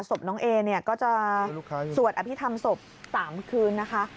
ศพน้องเอเนี่ยก็จะสวดอภิษฐรรมศพ๓คืนนะคะ